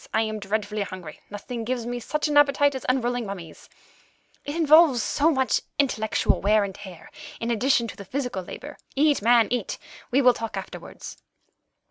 I am dreadfully hungry; nothing gives me such an appetite as unrolling mummies; it involves so much intellectual wear and tear, in addition to the physical labour. Eat, man, eat. We will talk afterwards."